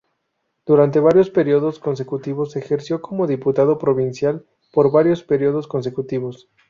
Durante varios períodos consecutivos ejerció como diputado provincial por varios períodos consecutivos.